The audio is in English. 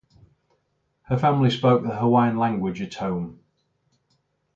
Her family spoke the Hawaiian language at home.